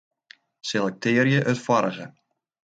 Selektearje it foarige.